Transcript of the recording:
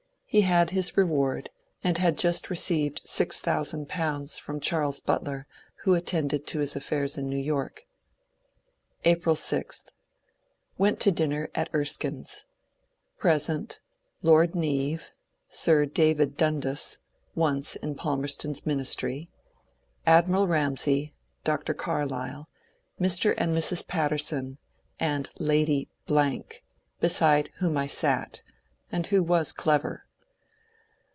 He had his reward, and had just re ceived six thousand pounds from Charles Butler, who attended to his affairs in New York. April 6. Went to dinner at Erskine's. Present : Lord Neave, Sir David Dundas (once in Palmerston's ministry). Admiral Ramsay, Dr. Carlyle, Mr. and Mrs. Patterson, and Lady , beside whom I sat, and who was clever.